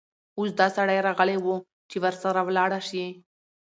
اوس دا سړى راغلى وو، چې ورسره ولاړه شې.